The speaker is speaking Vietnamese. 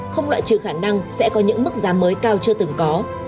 không loại trừ khả năng sẽ có những mức giá mới cao chưa từng có